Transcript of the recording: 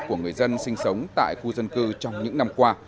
của người dân sinh sống tại khu dân cư trong những năm qua